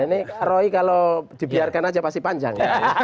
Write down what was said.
ini roy kalau dibiarkan aja pasti panjang